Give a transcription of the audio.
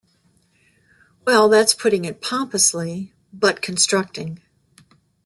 Well, that's putting it pompously - but constructing.